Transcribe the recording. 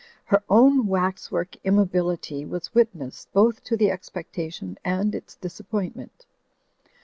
Her own wax work immobility was witness both to the expectation and its disappointment.